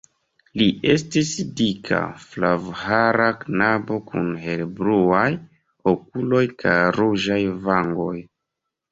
Li estis dika flavhara knabo kun helebluaj okuloj kaj ruĝaj vangoj.